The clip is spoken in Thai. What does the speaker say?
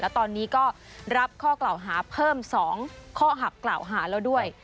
และตอนนี้ก็รับข้อกล่าวหาเพิ่ม๒ข้อหักกล่าวหาแล้วด้วย